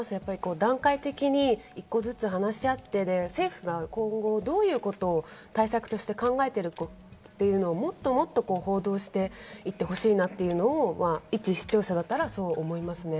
段階的に一個ずつ話し合って、政府は今後どういう対策をしていくか考えているかということをもっと報道していってほしいなと、いち視聴者だったらそう思いますね。